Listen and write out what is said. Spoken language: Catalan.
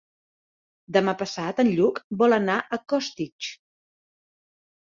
Demà passat en Lluc vol anar a Costitx.